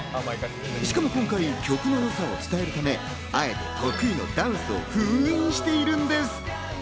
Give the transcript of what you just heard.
しかも今回、曲のよさを伝えるため、あえて得意のダンスを封印しているんです。